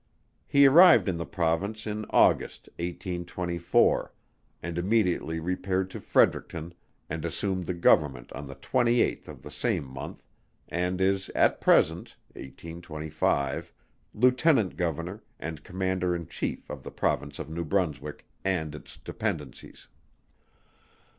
He arrived in the Province in August, 1824, and immediately repaired to Fredericton, and assumed the Government on the 28th of the same month, and is at present (1825) Lieutenant Governor and Commander in Chief of the Province of New Brunswick, and its Dependencies.